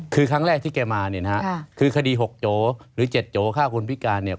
คือครั้งแรกที่แกมาเนี่ยนะฮะคือคดี๖โจหรือ๗โจฆ่าคนพิการเนี่ย